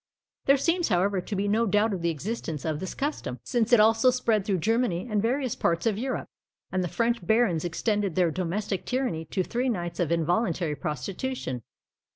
There seems, however, to be no doubt of the existence of this custom; since it also spread through Germany, and various parts of Europe; and the French barons extended their domestic tyranny to three nights of involuntary prostitution.